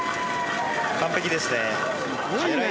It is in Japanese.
完璧ですね。